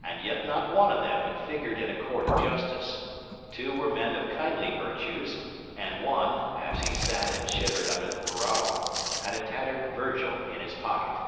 And yet not one of them had figured in a court of justice; two were men of kindly virtues; and one, as he sat and shivered under the purao, had a tattered Virgil in his pocket.